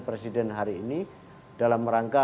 presiden hari ini dalam rangka